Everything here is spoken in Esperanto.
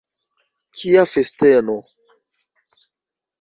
Kia festeno!